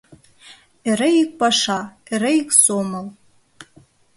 Эре ик паша, эре ик сомыл...